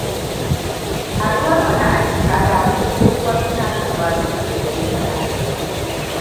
Haduwarmu na aji ta dawo da tsohuwar tunatarrwa lokacin da muke ɗalibai.